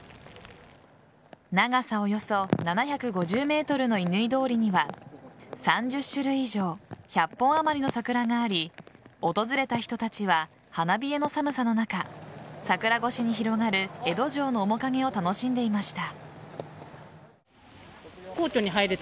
長さおよそ７５０ｍの乾通りには３０種類以上１００本あまりの桜があり訪れた人たちは花冷えの寒さの中桜越しに広がる江戸城の面影を楽しんでいました。